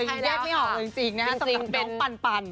แยกไม่ออกเลยจริงนะฮะสำหรับเบ้นปัน